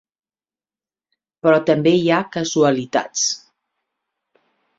Però també hi ha casualitats.